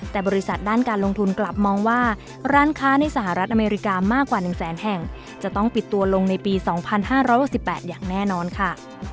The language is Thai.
แต่บริษัทด้านการลงทุนกลับมองว่าร้านค้าในสหรัฐอเมริกามากกว่า๑แสนแห่งจะต้องปิดตัวลงในปี๒๕๖๘อย่างแน่นอนค่ะ